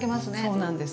そうなんです。